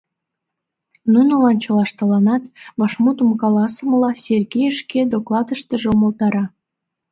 Нунылан чылаштланат вашмутым каласымыла, Сергей шке докладыштыже умылтара.